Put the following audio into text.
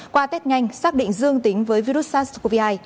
qua test nhanh xác định dương tính với virus sars cov hai